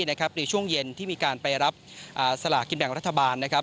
ในช่วงเย็นที่มีการไปรับสลากินแหล่งรัฐบาล